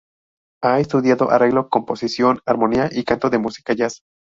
Ha estudiado arreglo, composición, armonía y canto de música Jazz.